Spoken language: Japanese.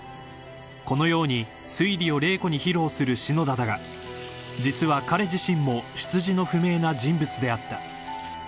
［このように推理を麗子に披露する篠田だが実は彼自身も出自の不明な人物であった］